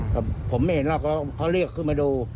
ผมไม่เห็นหรอกก็ิ้นตรงนี้เลือกขึ้นมาดู